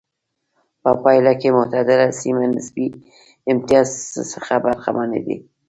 په پایله کې معتدله سیمې نسبي امتیاز څخه برخمنې دي.